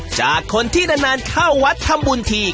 จากคนที่นานเข้าวัดทำบุญที